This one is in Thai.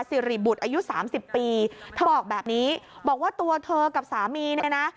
สิริบุตรอายุสามสิบปีเธอบอกแบบนี้บอกว่าตัวเธอกับสามีเนี่ยนะ